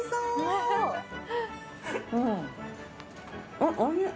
うんおいしい。